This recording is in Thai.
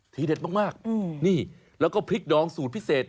เด็ดมากนี่แล้วก็พริกดองสูตรพิเศษ